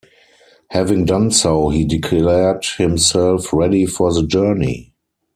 Having done so, he declared himself ready for the journey.